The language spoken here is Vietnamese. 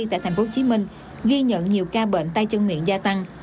tại tp hcm ghi nhận nhiều ca bệnh tay chân miệng gia tăng